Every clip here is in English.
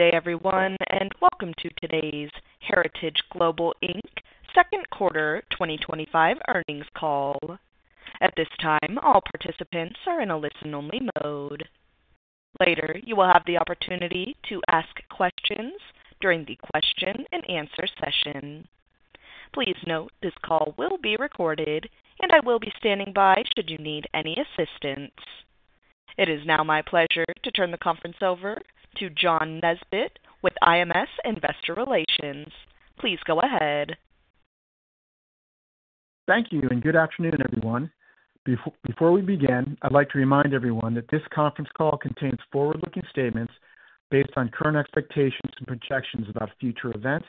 Good day, everyone, and welcome to today's Heritage Global Inc. second quarter 2025 earnings call. At this time, all participants are in a listen-only mode. Later, you will have the opportunity to ask questions during the question and answer session. Please note this call will be recorded, and I will be standing by should you need any assistance. It is now my pleasure to turn the conference over to John Nesbett with IMS Investor Relations. Please go ahead. Thank you, and good afternoon, everyone. Before we begin, I'd like to remind everyone that this conference call contains forward-looking statements based on current expectations and projections about future events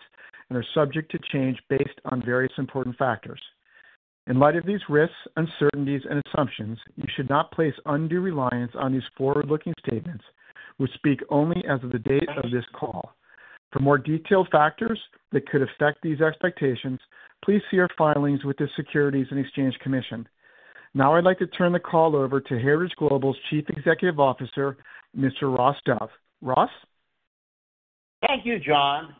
and are subject to change based on various important factors. In light of these risks, uncertainties, and assumptions, you should not place undue reliance on these forward-looking statements, which speak only as of the date of this call. For more detailed factors that could affect these expectations, please see our filings with the Securities and Exchange Commission. Now, I'd like to turn the call over to Heritage Global's Chief Executive Officer, Mr. Ross Dove. Ross? Thank you, John.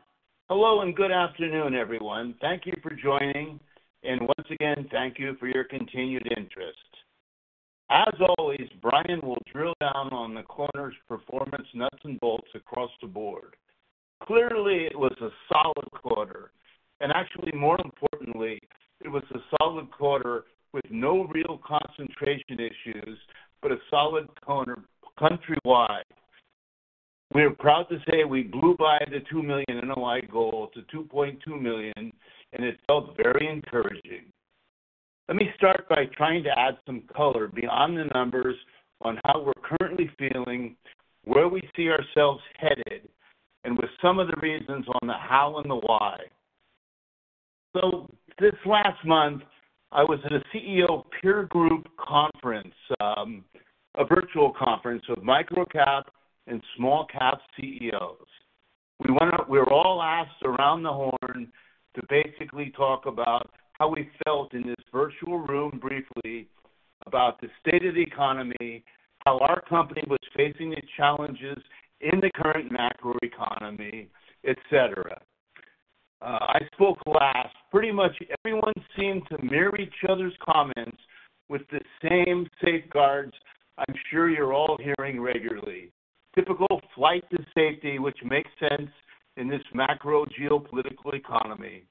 Hello and good afternoon, everyone. Thank you for joining, and once again, thank you for your continued interest. As always, Brian will drill down on the quarter's performance nuts and bolts across the board. Clearly, it was a solid quarter, and actually, more importantly, it was a solid quarter with no real concentration issues, but a solid quarter countrywide. We are proud to say we blew by the $2 million NOI goal to $2.2 million, and it felt very encouraging. Let me start by trying to add some color beyond the numbers on how we're currently feeling, where we see ourselves headed, and with some of the reasons on the how and the why. This last month, I was at a CEO peer group conference, a virtual conference of micro-cap and small-cap CEOs. We were all asked around the horn to basically talk about how we felt in this virtual room briefly about the state of the economy, how our company was facing its challenges in the current macro economy, etc. I spoke last. Pretty much everyone seemed to mirror each other's comments with the same safeguards I'm sure you're all hearing regularly. Typical flight to safety, which makes sense in this macro geopolitical economy.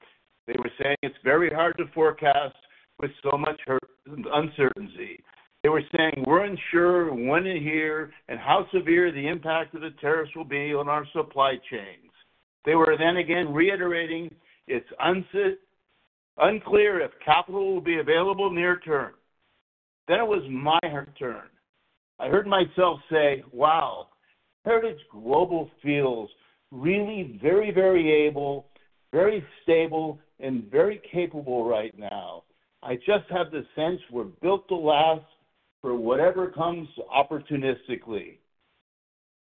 They were saying it's very hard to forecast with so much uncertainty. They were saying we're unsure when and how severe the impact of the tariffs will be on our supply chains. They were then again reiterating it's unclear if capital will be available near term. It was my turn. I heard myself say, wow, Heritage Global feels really very, very able, very stable, and very capable right now. I just have the sense we're built to last for whatever comes opportunistically.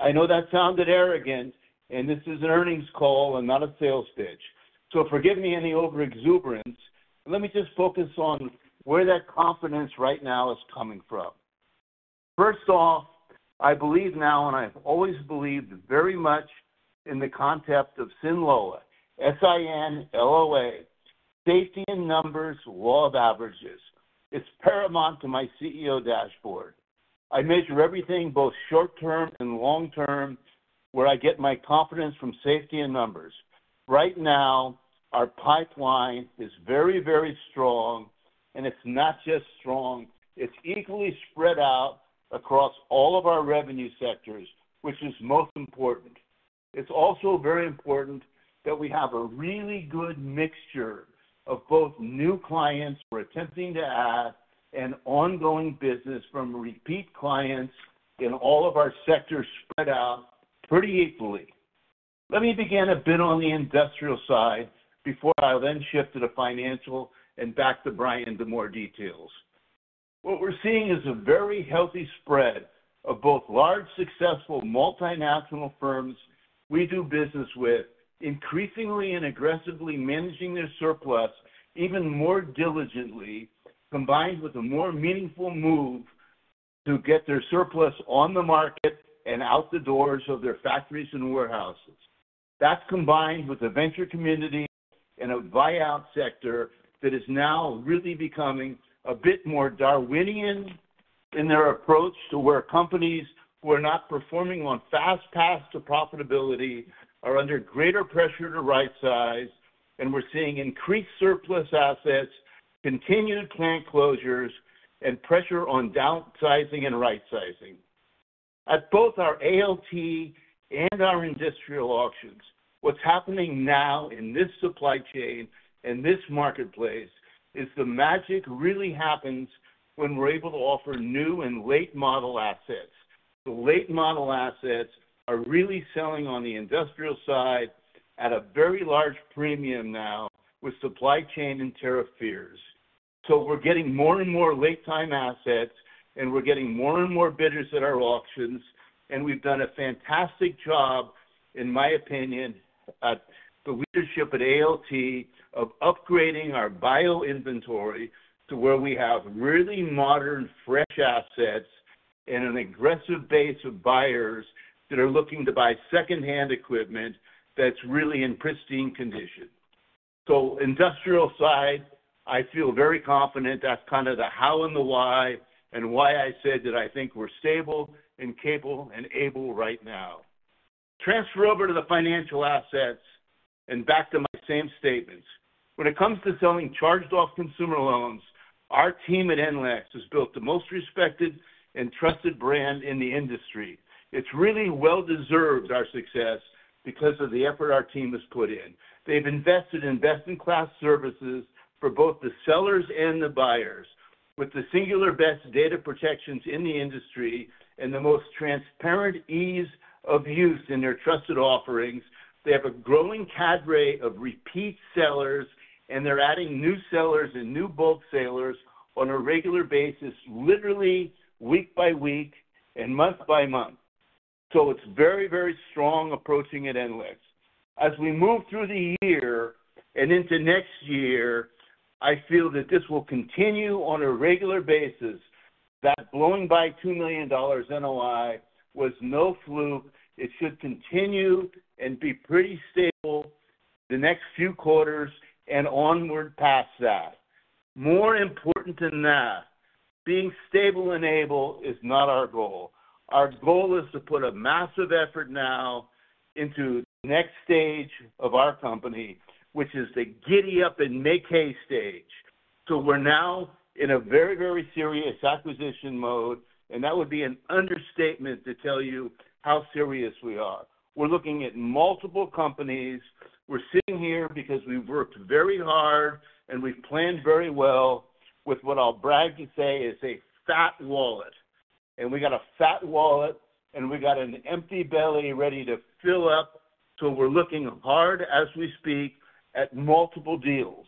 I know that sounded arrogant, and this is an earnings call and not a sales pitch. Forgive me any over-exuberance. Let me just focus on where that confidence right now is coming from. First of all, I believe now, and I've always believed very much in the concept of SINLOA, S-I-N-L-O-A, Safety in Numbers, Law of Averages. It's paramount to my CEO dashboard. I measure everything both short-term and long-term, where I get my confidence from safety in numbers. Right now, our pipeline is very, very strong, and it's not just strong. It's equally spread out across all of our revenue sectors, which is most important. It's also very important that we have a really good mixture of both new clients we're attempting to add and ongoing business from repeat clients in all of our sectors. Spread out pretty equally. Let me begin a bit on the industrial side before I then shift to the financial and back to Brian to more details. What we're seeing is a very healthy spread of both large successful multinational firms we do business with, increasingly and aggressively managing their surplus even more diligently, combined with a more meaningful move to get their surplus on the market and out the doors of their factories and warehouses. That's combined with the venture community and a buyout sector that is now really becoming a bit more Darwinian in their approach to where companies who are not performing on fast paths to profitability are under greater pressure to right-size, and we're seeing increased surplus assets, continued planned closures, and pressure on downsizing and right-sizing. At both our ALT and our industrial auctions, what's happening now in this supply chain and this marketplace is the magic really happens when we're able to offer new and late-model assets. The late-model assets are really selling on the industrial side at a very large premium now with supply chain and tariff fears. We're getting more and more late-time assets, and we're getting more and more bidders at our auctions, and we've done a fantastic job, in my opinion, at the leadership at ALT of upgrading our bio-inventory to where we have really modern, fresh assets and an aggressive base of buyers that are looking to buy secondhand equipment that's really in pristine condition. On the industrial side, I feel very confident that's kind of the how and the why and why I said that I think we're stable and capable and able right now. Transfer over to the financial assets and back to my same statements. When it comes to selling charged-off consumer loans, our team at NLEX has built the most respected and trusted brand in the industry. It's really well-deserved, our success, because of the effort our team has put in. They've invested in best-in-class services for both the sellers and the buyers. With the singular best data protections in the industry and the most transparent ease of use in their trusted offerings, they have a growing cadre of repeat sellers, and they're adding new sellers and new bulk sellers on a regular basis, literally week by week and month by month. It's very, very strong approaching at NLEX. As we move through the year and into next year, I feel that this will continue on a regular basis. That blowing by $2 million NOI was no fluke. It should continue and be pretty stable the next few quarters and onward past that. More important than that, being stable and able is not our goal. Our goal is to put a massive effort now into the next stage of our company, which is the giddy-up-and-make-hay stage. We are now in a very, very serious acquisition mode, and that would be an understatement to tell you how serious we are. We are looking at multiple companies. We are sitting here because we've worked very hard, and we've planned very well with what I'll brag and say is a fat wallet. We got a fat wallet, and we got an empty belly ready to fill up. We are looking hard as we speak at multiple deals.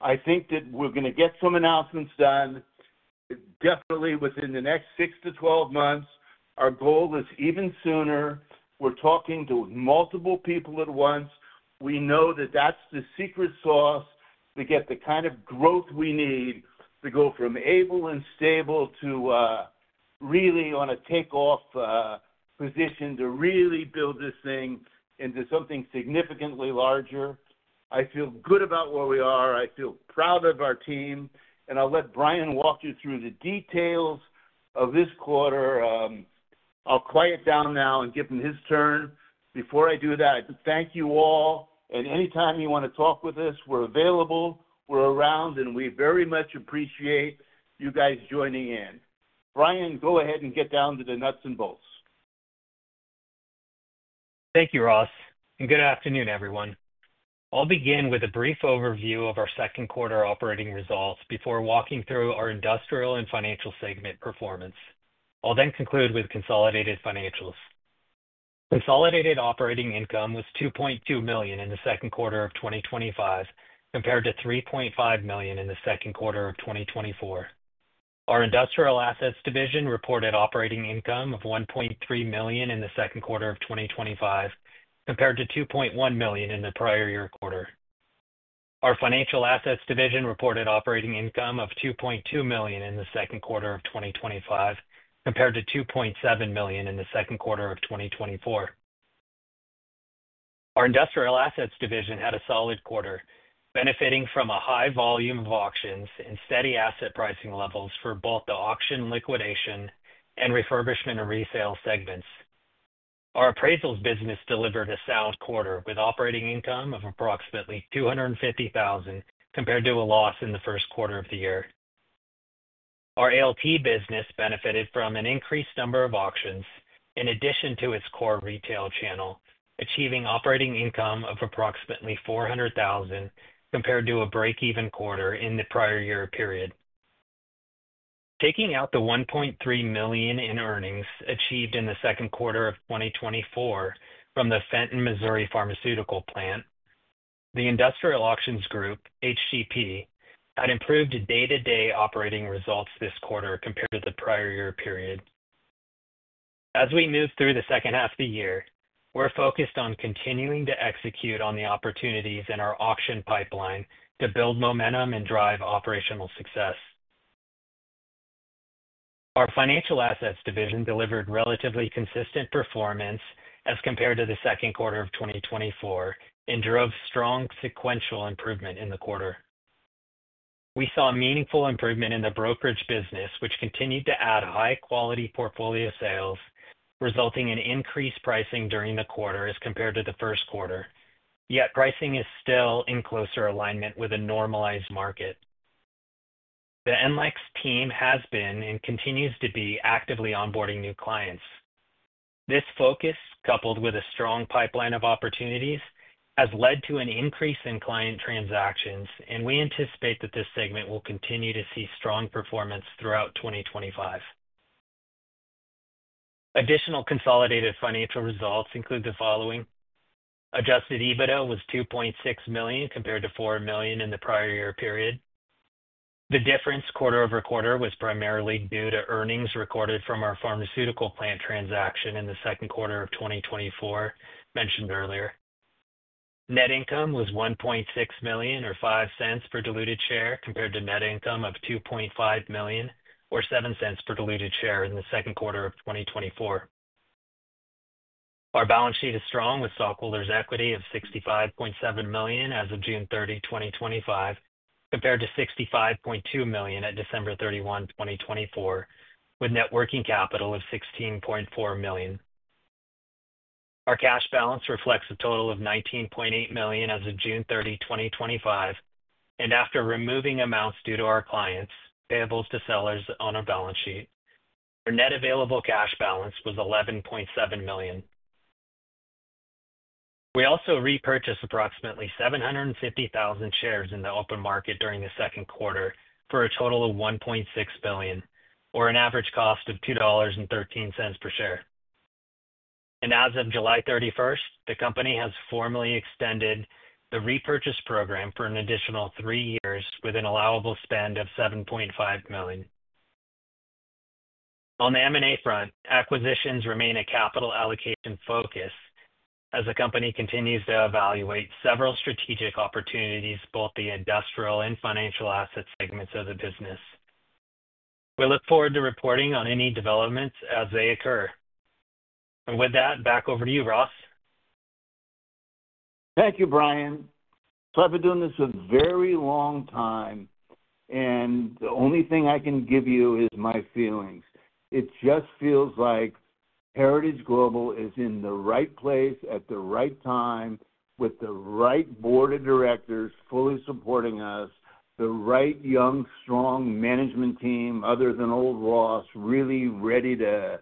I think that we're going to get some announcements done, definitely within the next 6-12 months. Our goal is even sooner. We are talking to multiple people at once. We know that that's the secret sauce to get the kind of growth we need to go from able and stable to, really on a takeoff, position to really build this thing into something significantly larger. I feel good about where we are. I feel proud of our team, and I'll let Brian walk you through the details of this quarter. I'll quiet down now and give him his turn. Before I do that, thank you all, and anytime you want to talk with us, we're available, we're around, and we very much appreciate you guys joining in. Brian, go ahead and get down to the nuts and bolts. Thank you, Ross, and good afternoon, everyone. I'll begin with a brief overview of our second quarter operating results before walking through our industrial and financial segment performance. I'll then conclude with consolidated financials. Consolidated operating income was $2.2 million in the second quarter of 2025, compared to $3.5 million in the second quarter of 2024. Our industrial assets division reported operating income of $1.3 million in the second quarter of 2025, compared to $2.1 million in the prior year quarter. Our financial assets division reported operating income of $2.2 million in the second quarter of 2025, compared to $2.7 million in the second quarter of 2024. Our industrial assets division had a solid quarter, benefiting from a high volume of auctions and steady asset pricing levels for both the auction, liquidation, and refurbishment and resale segments. Our appraisals business delivered a sound quarter with operating income of approximately $250,000, compared to a loss in the first quarter of the year. Our ALT business benefited from an increased number of auctions in addition to its core retail channel, achieving operating income of approximately $400,000, compared to a break-even quarter in the prior year period. Taking out the $1.3 million in earnings achieved in the second quarter of 2024 from the Fenton, Missouri pharmaceutical plant, the industrial auctions group, HGP, had improved day-to-day operating results this quarter compared to the prior year period. As we move through the second half of the year, we're focused on continuing to execute on the opportunities in our auction pipeline to build momentum and drive operational success. Our financial assets division delivered relatively consistent performance as compared to the second quarter of 2024 and drove strong sequential improvement in the quarter. We saw meaningful improvement in the brokerage business, which continued to add high-quality portfolio sales, resulting in increased pricing during the quarter as compared to the first quarter. Yet pricing is still in closer alignment with a normalized market. The NLEX team has been and continues to be actively onboarding new clients. This focus, coupled with a strong pipeline of opportunities, has led to an increase in client transactions, and we anticipate that this segment will continue to see strong performance throughout 2025. Additional consolidated financial results include the following: adjusted EBITDA was $2.6 million compared to $4 million in the prior year period. The difference quarter over quarter was primarily due to earnings recorded from our pharmaceutical plant transaction in the second quarter of 2024, mentioned earlier. Net income was $1.6 million or $0.05 per diluted share compared to net income of $2.5 million or $0.07 per diluted share in the second quarter of 2024. Our balance sheet is strong with stockholders' equity of $65.7 million as of June 30, 2025, compared to $65.2 million at December 31, 2024, with net working capital of $16.4 million. Our cash balance reflects a total of $19.8 million as of June 30, 2025, and after removing amounts due to our clients, payables to sellers on our balance sheet, our net available cash balance was $11.7 million. We also repurchased approximately 750,000 shares in the open market during the second quarter for a total of $1.6 million, or an average cost of $2.13 per share. As of July 31st, the company has formally extended the repurchase program for an additional three years with an allowable spend of $7.5 million. On the M&A front, acquisitions remain a capital allocation focus as the company continues to evaluate several strategic opportunities, both the industrial and financial asset segments of the business. We look forward to reporting on any developments as they occur. With that, back over to you, Ross. Thank you, Brian. I've been doing this a very long time, and the only thing I can give you is my feelings. It just feels like Heritage Global is in the right place at the right time with the right Board of Directors fully supporting us, the right young, strong management team other than old loss, really ready to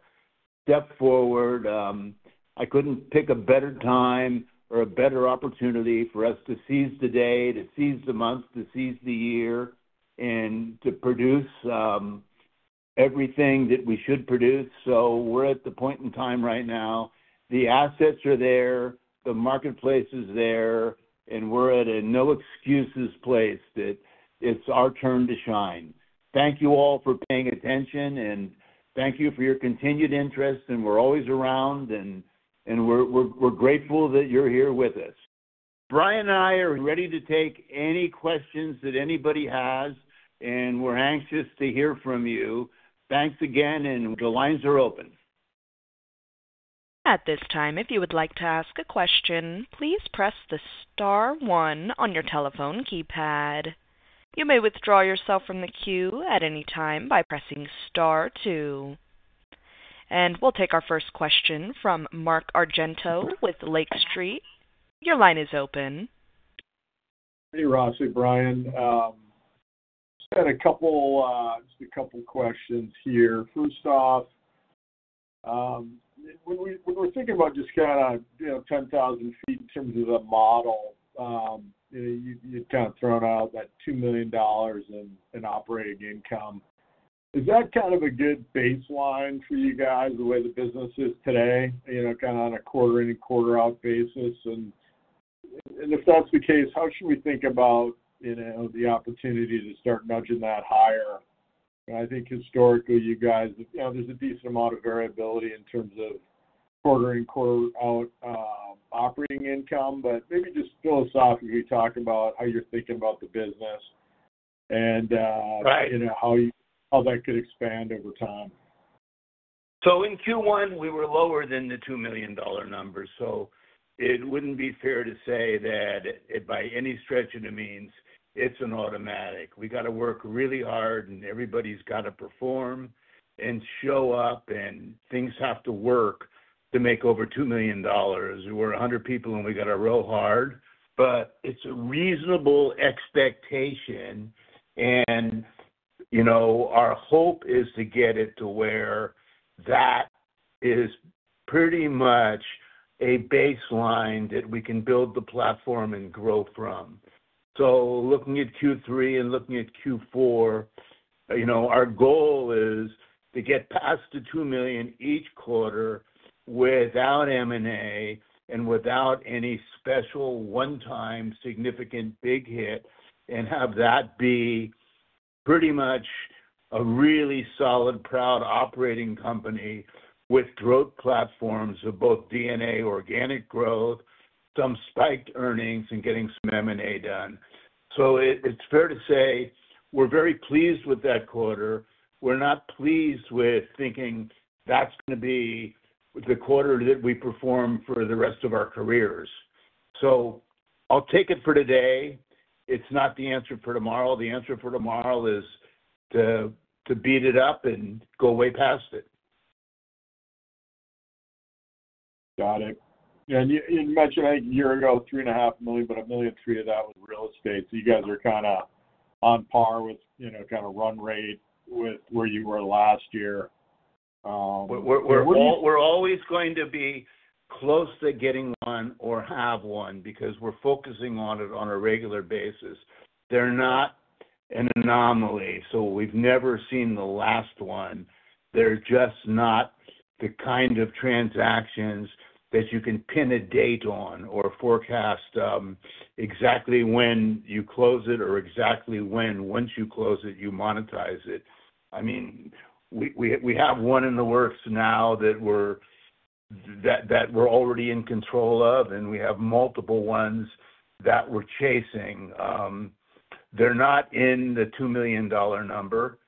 step forward. I couldn't pick a better time or a better opportunity for us to seize the day, to seize the month, to seize the year, and to produce everything that we should produce. We're at the point in time right now. The assets are there, the marketplace is there, and we're at a no-excuses place that it's our turn to shine. Thank you all for paying attention, and thank you for your continued interest, and we're always around, and we're grateful that you're here with us. Brian and I are ready to take any questions that anybody has, and we're anxious to hear from you. Thanks again, and the lines are open. At this time, if you would like to ask a question, please press the star one on your telephone keypad. You may withdraw yourself from the queue at any time by pressing star two. We'll take our first question from Mark Argento with Lake Street. Your line is open. Hey, Ross. Hey, Brian. Just got a couple of questions here. First off, when we're thinking about just kind of 10,000 ft in terms of the model, you've kind of thrown out that $2 million in operating income. Is that kind of a good baseline for you guys the way the business is today, you know, kind of on a quarter in and quarter out basis? If that's the case, how should we think about, you know, the opportunity to start nudging that higher? I think historically, you guys, you know, there's a decent amount of variability in terms of quarter in and quarter out, operating income, but maybe just philosophically talk about how you're thinking about the business and, you know, how you, how that could expand over time. In Q1, we were lower than the $2 million numbers. It wouldn't be fair to say that by any stretch of the means it's an automatic. We got to work really hard, and everybody's got to perform and show up, and things have to work to make over $2 million. We're 100 people, and we got to row hard, but it's a reasonable expectation. You know, our hope is to get it to where that is pretty much a baseline that we can build the platform and grow from. Looking at Q3 and looking at Q4, our goal is to get past the $2 million each quarter without M&A and without any special one-time significant big hit and have that be pretty much a really solid, proud operating company with growth platforms of both DNA, organic growth, some spiked earnings, and getting some M&A done. It's fair to say we're very pleased with that quarter. We're not pleased with thinking that's going to be the quarter that we perform for the rest of our careers. I'll take it for today. It's not the answer for tomorrow. The answer for tomorrow is to beat it up and go way past it. Got it. You mentioned a year ago, $3.5 million, but $1.3 million to that with real estate. You guys are kind of on par with, you know, kind of run rate with where you were last year. We're always going to be close to getting one or have one because we're focusing on it on a regular basis. They're not an anomaly. We've never seen the last one. They're just not the kind of transactions that you can pin a date on or forecast exactly when you close it or exactly when once you close it, you monetize it. We have one in the works now that we're already in control of, and we have multiple ones that we're chasing. They're not in the $2 million number.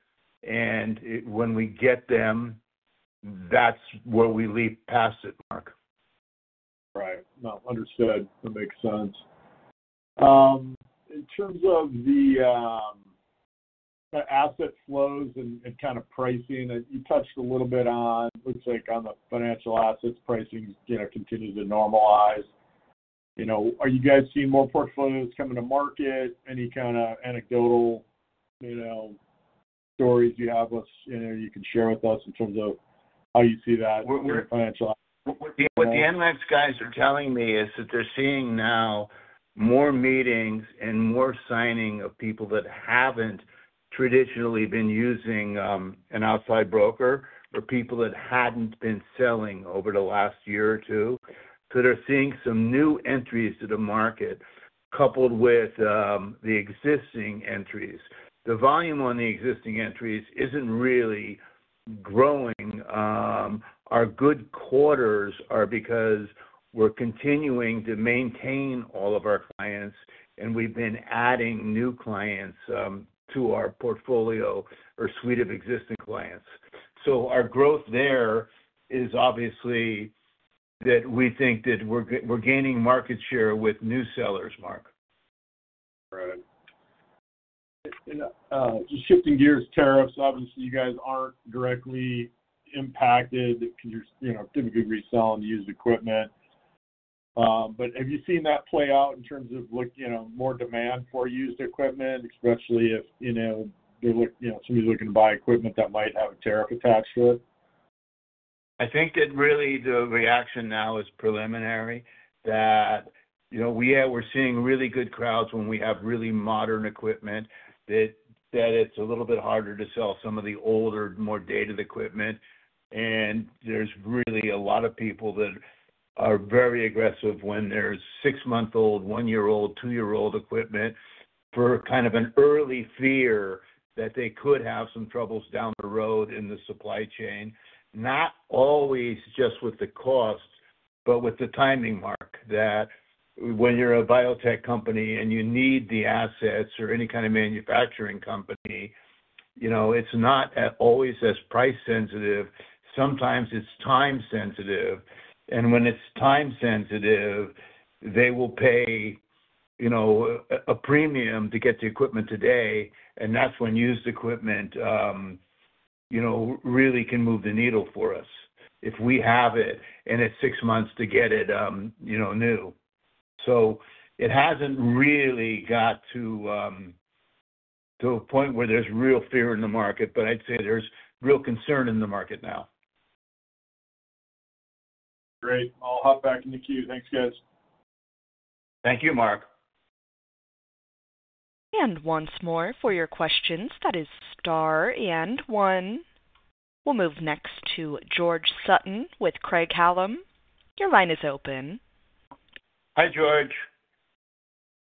When we get them, that's where we leap past it, Mark. Right. No, understood. That makes sense. In terms of the kind of asset flows and kind of pricing that you touched a little bit on, let's say on the financial assets pricing continues to normalize. Are you guys seeing more portfolios coming to market? Any kind of anecdotal stories you can share with us in terms of how you see that for your financial? What the NLEX guys are telling me is that they're seeing now more meetings and more signing of people that haven't traditionally been using an outside broker or people that hadn't been selling over the last year or two. They're seeing some new entries to the market coupled with the existing entries. The volume on the existing entries isn't really growing. Our good quarters are because we're continuing to maintain all of our clients, and we've been adding new clients to our portfolio or suite of existing clients. Our growth there is obviously that we think that we're gaining market share with new sellers, Mark. Got it. Just shifting gears, tariffs, obviously, you guys aren't directly impacted because you're, you know, doing a good resell on the used equipment. Have you seen that play out in terms of, like, you know, more demand for used equipment, especially if, you know, they're looking, you know, somebody's looking to buy equipment that might have a tariff attached to it? I think it really, the reaction now is preliminary that, you know, we are seeing really good crowds when we have really modern equipment. It's a little bit harder to sell some of the older, more dated equipment. There's really a lot of people that are very aggressive when there's six-month-old, one-year-old, two-year-old equipment for kind of an early fear that they could have some troubles down the road in the supply chain, not always just with the cost, but with the timing, Mark, that when you're a biotech company and you need the assets or any kind of manufacturing company, you know, it's not always as price-sensitive. Sometimes it's time-sensitive. When it's time-sensitive, they will pay, you know, a premium to get the equipment today. That's when used equipment, you know, really can move the needle for us if we have it and it's six months to get it, you know, new. It hasn't really got to a point where there's real fear in the market, but I'd say there's real concern in the market now. Great. I'll hop back in the queue. Thanks, guys. Thank you, Mark. Once more for your questions, that is star and one. We'll move next to George Sutton with Craig-Hallum. Your line is open. Hi, George.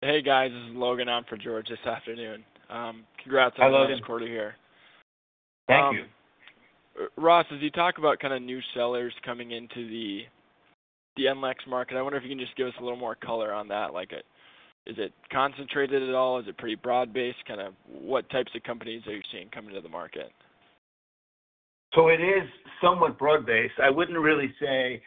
Hey, guys. This is Logan on for George this afternoon. Hi, Logan. Congrats on the first quarter here. Thank you. Ross, as you talk about kind of new sellers coming into the NLEX market, I wonder if you can just give us a little more color on that. Is it concentrated at all? Is it pretty broad-based? What types of companies are you seeing come into the market? It is somewhat broad-based. I wouldn't really say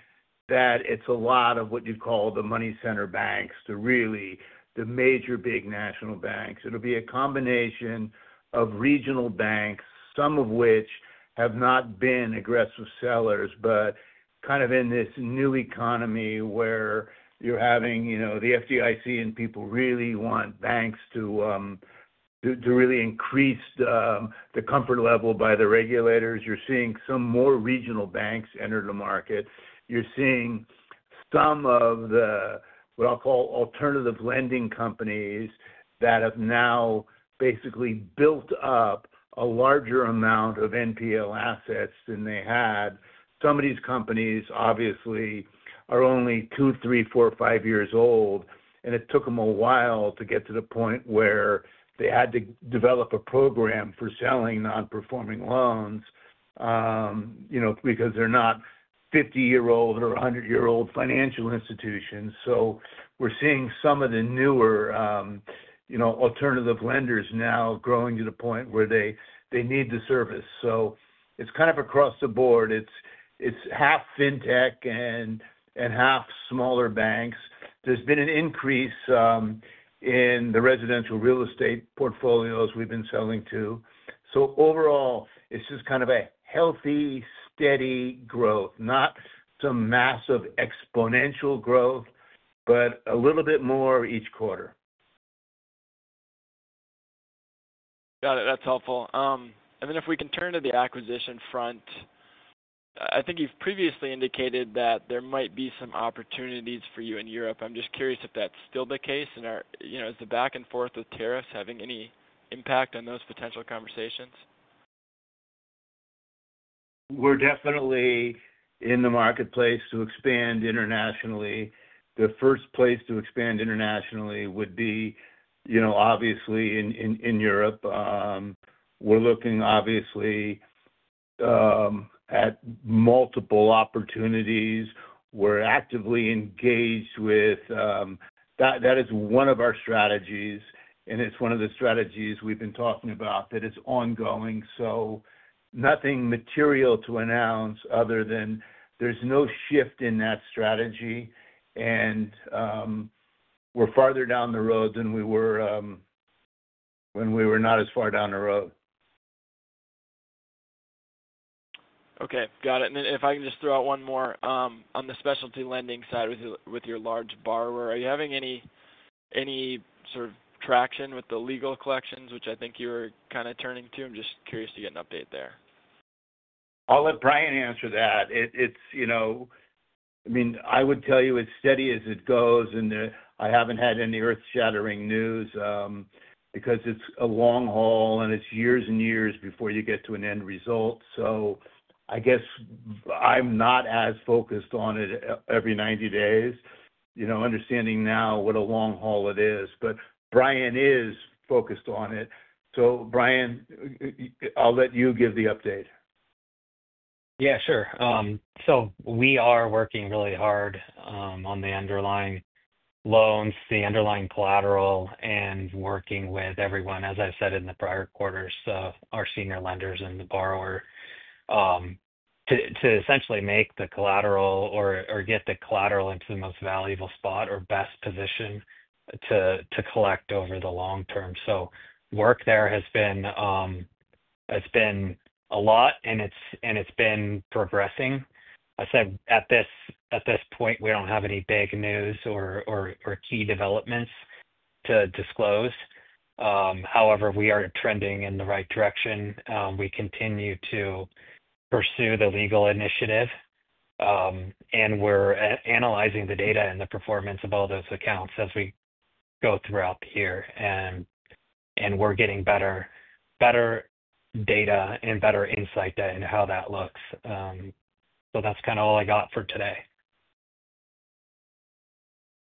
that it's a lot of what you'd call the money center banks, the really major big national banks. It'll be a combination of regional banks, some of which have not been aggressive sellers, but in this new economy where you're having the FDIC and people really want banks to increase the comfort level by the regulators, you're seeing some more regional banks enter the market. You're seeing some of the, what I'll call alternative lending companies that have now basically built up a larger amount of NPL assets than they had. Some of these companies obviously are only two, three, four, five years old, and it took them a while to get to the point where they had to develop a program for selling non-performing loans because they're not 50-year-old or 100-year-old financial institutions. We're seeing some of the newer alternative lenders now growing to the point where they need the service. It's kind of across the board. It's half fintech and half smaller banks. There's been an increase in the residential real estate portfolios we've been selling to. Overall, it's just kind of a healthy, steady growth, not some massive exponential growth, but a little bit more each quarter. Got it. That's helpful. If we can turn to the acquisition front, I think you've previously indicated that there might be some opportunities for you in Europe. I'm just curious if that's still the case. Are the back and forth with tariffs having any impact on those potential conversations? We're definitely in the marketplace to expand internationally. The first place to expand internationally would be, you know, obviously in Europe. We're looking, obviously, at multiple opportunities. We're actively engaged with, that is one of our strategies, and it's one of the strategies we've been talking about that is ongoing. Nothing material to announce other than there's no shift in that strategy, and we're farther down the road than we were when we were not as far down the road. Okay. Got it. If I can just throw out one more, on the specialty lending side with your large borrower, are you having any sort of traction with the legal collections, which I think you were kind of turning to? I'm just curious to get an update there. I'll let Brian answer that. I would tell you as steady as it goes, and I haven't had any earth-shattering news, because it's a long haul, and it's years and years before you get to an end result. I guess I'm not as focused on it every 90 days, understanding now what a long haul it is. Brian is focused on it. Brian, I'll let you give the update. Yeah, sure. We are working really hard on the underlying loans, the underlying collateral, and working with everyone, as I've said in prior quarters, our senior lenders and the borrower, to essentially make the collateral or get the collateral into the most valuable spot or best position to collect over the long term. Work there has been a lot, and it's been progressing. I said at this point, we don't have any big news or key developments to disclose. However, we are trending in the right direction. We continue to pursue the legal initiative, and we're analyzing the data and the performance of all those accounts as we go throughout the year. We're getting better data and better insight into how that looks. That's kind of all I got for today.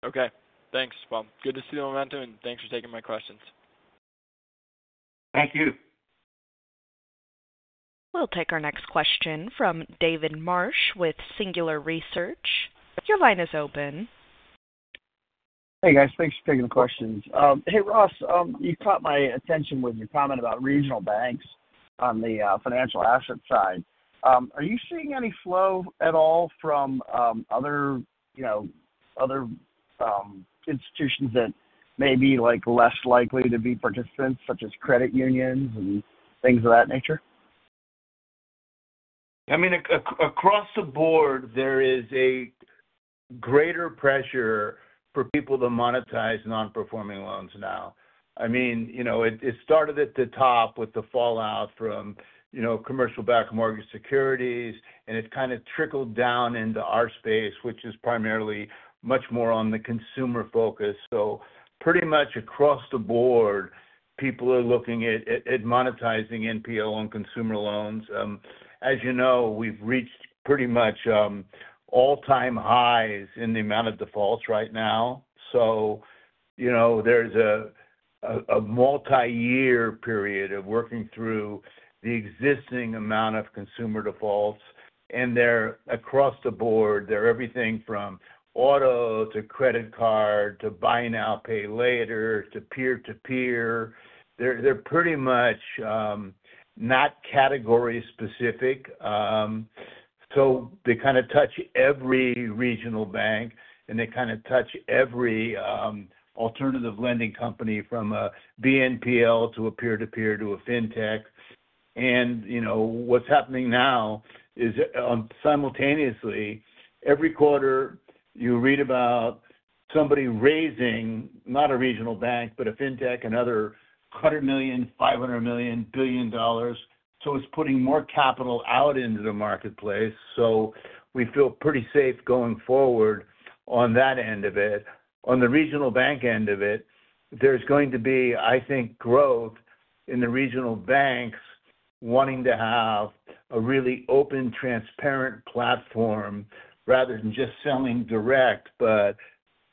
Okay. Thanks. Good to see the momentum, and thanks for taking my questions. Thank you. We'll take our next question from David Marsh with Singular Research. Your line is open. Hey, guys. Thanks for taking the questions. Hey, Ross, you caught my attention with your comment about regional banks on the financial asset side. Are you seeing any flow at all from other, you know, other institutions that may be less likely to be participants, such as credit unions and things of that nature? Across the board, there is a greater pressure for people to monetize non-performing loans now. It started at the top with the fallout from commercial-backed mortgage securities, and it kind of trickled down into our space, which is primarily much more on the consumer focus. Pretty much across the board, people are looking at monetizing NPL on consumer loans. As you know, we've reached pretty much all-time highs in the amount of defaults right now. There's a multi-year period of working through the existing amount of consumer defaults, and they're across the board. They're everything from auto to credit card to buy now, pay later to peer-to-peer. They're pretty much not category-specific. They kind of touch every regional bank, and they kind of touch every alternative lending company from a BNPL to a peer-to-peer to a fintech. What's happening now is simultaneously, every quarter, you read about somebody raising, not a regional bank, but a fintech, another $100 million, $500 million, $1 billion. It's putting more capital out into the marketplace. We feel pretty safe going forward on that end of it. On the regional bank end of it, there's going to be, I think, growth in the regional banks wanting to have a really open, transparent platform rather than just selling direct, but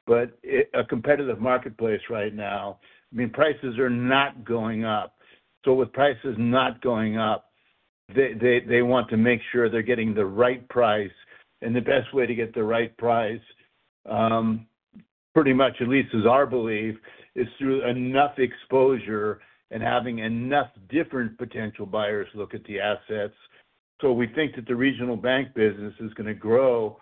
a competitive marketplace right now. Prices are not going up. With prices not going up, they want to make sure they're getting the right price. The best way to get the right price, at least is our belief, is through enough exposure and having enough different potential buyers look at the assets. We think that the regional bank business is going to grow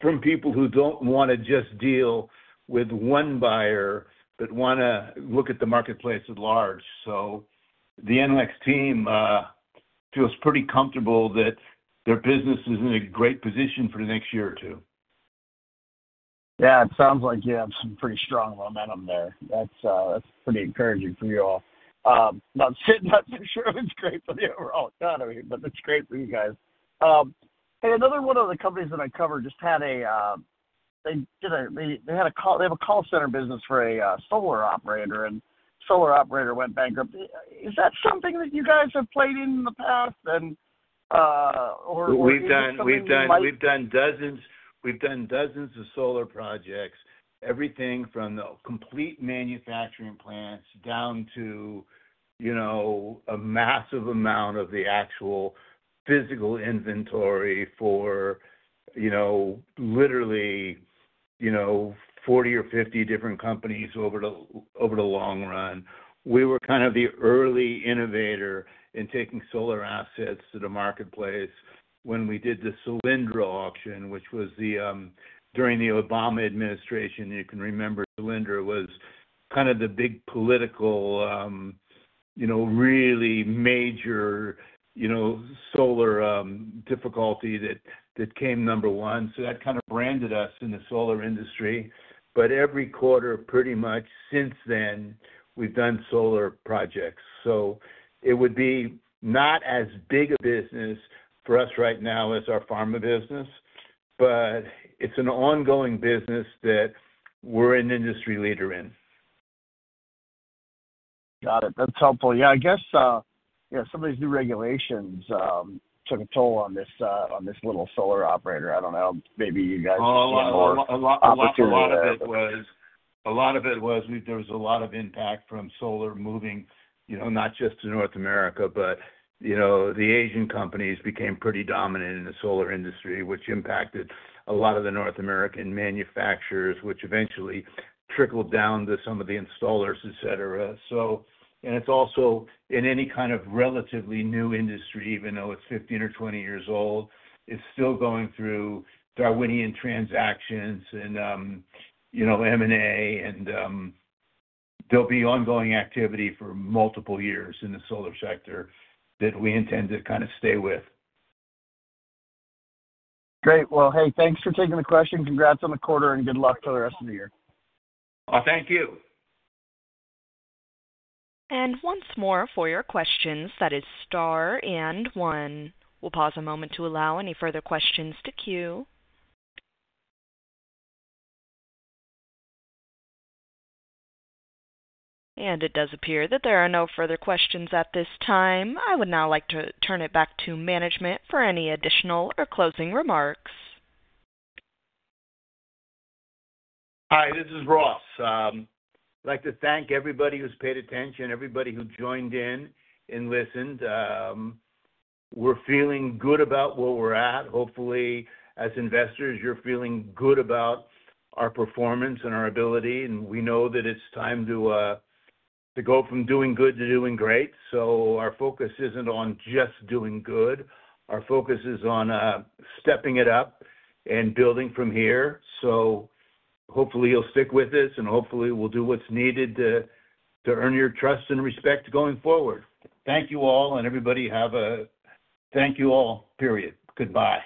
from people who don't want to just deal with one buyer but want to look at the marketplace at large. The NLEX team feels pretty comfortable that their business is in a great position for the next year or two. Yeah, it sounds like you have some pretty strong momentum there. That's pretty encouraging for you all. I'm not for sure it's great for the overall economy, but it's great for you guys. Another one of the companies that I covered just had a call. They have a call center business for a solar operator, and the solar operator went bankrupt. Is that something that you guys have played in in the past? We've done dozens of solar projects, everything from the complete manufacturing plants down to a massive amount of the actual physical inventory for literally 40 or 50 different companies over the long run. We were kind of the early innovator in taking solar assets to the marketplace when we did the Solyndra auction, which was during the Obama administration. You can remember Solyndra was kind of the big political, really major solar difficulty that came number one. That kind of branded us in the solar industry. Every quarter, pretty much since then, we've done solar projects. It would be not as big a business for us right now as our pharma business, but it's an ongoing business that we're an industry leader in. Got it. That's helpful. I guess, you know, some of these new regulations took a toll on this little solar operator. I don't know. Maybe you guys have seen more opportunities. A lot of it was, there was a lot of impact from solar moving, you know, not just to North America, but, you know, the Asian companies became pretty dominant in the solar industry, which impacted a lot of the North American manufacturers, which eventually trickled down to some of the installers, etc. It's also in any kind of relatively new industry, even though it's 15 or 20 years old, it's still going through Darwinian transactions and, you know, M&A, and there'll be ongoing activity for multiple years in the solar sector that we intend to kind of stay with. Great. Thank you for taking the question. Congrats on the quarter and good luck for the rest of the year. Thank you. Once more for your questions, that is star and one. We'll pause a moment to allow any further questions to queue. It does appear that there are no further questions at this time. I would now like to turn it back to management for any additional or closing remarks. Hi, this is Ross. I'd like to thank everybody who's paid attention, everybody who joined in and listened. We're feeling good about where we're at. Hopefully, as investors, you're feeling good about our performance and our ability, and we know that it's time to go from doing good to doing great. Our focus isn't on just doing good. Our focus is on stepping it up and building from here. Hopefully, you'll stick with us, and hopefully, we'll do what's needed to earn your trust and respect going forward. Thank you all, and everybody have a great day. Goodbye.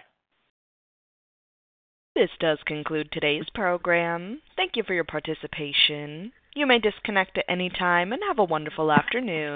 This does conclude today's program. Thank you for your participation. You may disconnect at any time and have a wonderful afternoon.